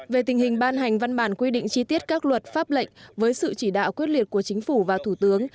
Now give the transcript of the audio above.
về tình hình ban hành văn bản quy định chi tiết các luật pháp lệnh với sự chỉ đạo quyết liệt của chính phủ và thủ tướng